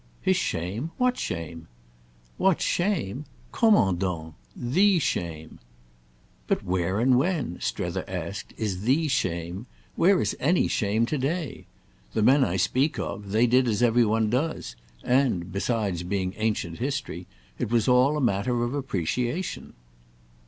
"His shame? What shame?" "What shame? Comment donc? The shame." "But where and when," Strether asked, "is 'the shame'—where is any shame—to day? The men I speak of—they did as every one does; and (besides being ancient history) it was all a matter of appreciation."